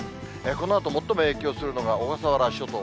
このあと最も影響するのが、小笠原諸島。